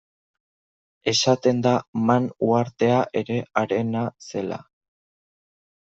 Esaten da Man uhartea ere harena zela.